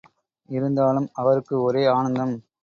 இருந்தாலும் அவருக்கு ஒரே ஆனந்தம்.